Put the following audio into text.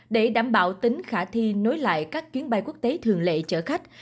để đảm bảo tính khả thi nối lại các chuyến bay quốc tế thường lệ chở khách